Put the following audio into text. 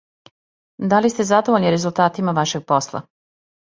Да ли сте задовољни резултатима вашег посла?